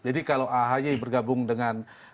jadi kalau ahy bergabung dengan